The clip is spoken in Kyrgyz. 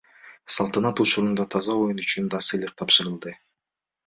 Салтанат учурунда таза оюн үчүн да сыйлык тапшырылды.